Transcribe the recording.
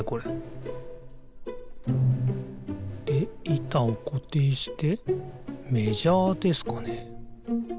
いたをこていしてメジャーですかね？